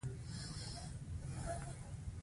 عشق د زړه د سکون سرچینه ده.